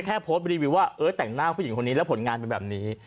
แค่โพสต์รีวิวว่าเออแต่งหน้าผู้หญิงคนนี้แล้วผลงานเป็นแบบนี้